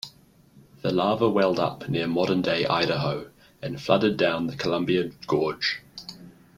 The lava welled up near modern-day Idaho, and flooded down the Columbia Gorge.